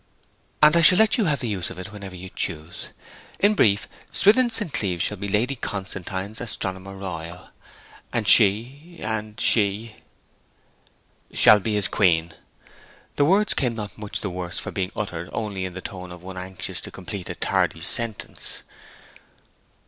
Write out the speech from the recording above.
'And I shall let you have the use of it whenever you choose. In brief, Swithin St. Cleeve shall be Lady Constantine's Astronomer Royal; and she and she ' 'Shall be his Queen.' The words came not much the worse for being uttered only in the tone of one anxious to complete a tardy sentence.